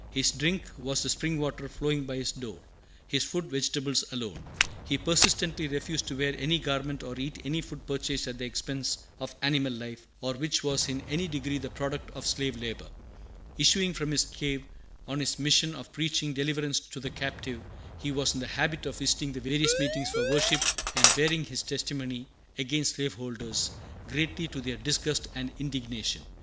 His drink was the spring water flowing by his door; his food, vegetables alone. He persistently refused to wear any garment or eat any food purchased at the expense of animal life, or which was in any degree the product of slave labor. Issuing from his cave, on his mission of preaching "deliverance to the captive," he was in the habit of visiting the various meetings for worship and bearing his testimony against slaveholders, greatly to their disgust and indignation.